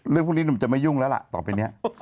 พวกนี้หนุ่มจะไม่ยุ่งแล้วล่ะต่อไปนี้